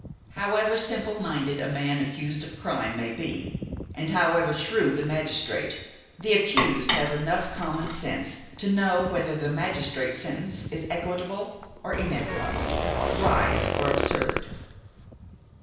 However simple minded a man accused of crime may be and however shrewd the magistrate, the accused has enough common sense to know whether the magistrate's sentence is equitable or inequitable, wise or absurd.